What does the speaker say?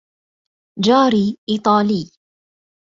جاري إيطالي.